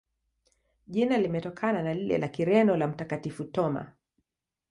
Jina limetokana na lile la Kireno la Mtakatifu Thoma.